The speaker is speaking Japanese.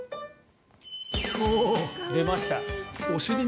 出ました。